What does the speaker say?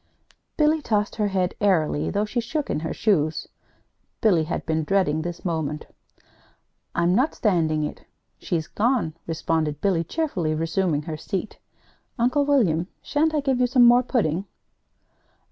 Billy tossed her head airily, though she shook in her shoes. Billy had been dreading this moment. "I'm not standing it. She's gone," responded Billy, cheerfully, resuming her seat. "Uncle William, sha'n't I give you some more pudding?"